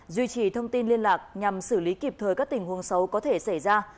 duy trì thông tin liên lạc nhằm xử lý kịp thời các tình huống xấu có thể xảy ra